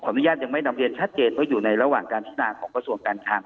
อนุญาตยังไม่นำเรียนชัดเจนเพราะอยู่ในระหว่างการพินาของกระทรวงการคลัง